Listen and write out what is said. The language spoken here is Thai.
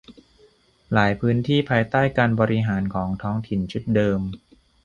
หลายพื้นที่ภายใต้การบริหารของท้องถิ่นชุดเดิม